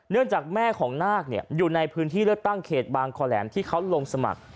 จากแม่ของนาคอยู่ในพื้นที่เลือกตั้งเขตบางคอแหลมที่เขาลงสมัคร